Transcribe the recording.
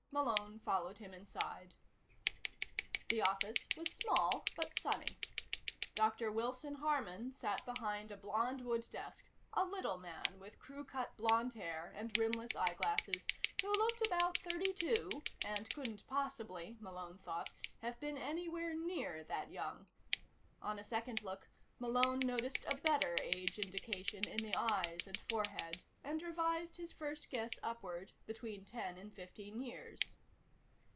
Malone followed him inside. The office was small but sunny. Dr. Wilson Harman sat behind a blond wood desk, a little man with crew cut blond hair and rimless eyeglasses, who looked about thirty two and couldn't possibly, Malone thought, have been anywhere near that young. On a second look, Malone noticed a better age indication in the eyes and forehead, and revised his first guess upward between ten and fifteen years.